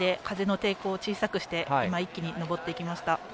風の抵抗を小さくして一気に上っていきました。